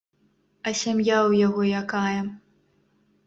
А сям'я ў яго якая?